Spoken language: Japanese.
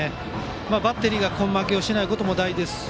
バッテリーが根負けしないことも大事です。